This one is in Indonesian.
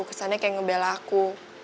kesannya kayak ngebel aku